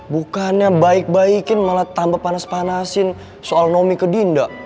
bukannya baik baikin malah tambah panas panasin soal nomi ke dinda